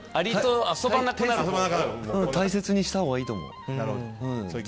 大切にしたほうがいいと思う。